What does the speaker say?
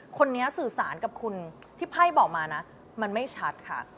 คนนี้สื่อสารกับคุณที่ไพ่บอกมานะมันไม่ชัดค่ะ